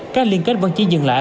các liên kết vẫn chỉ dừng lại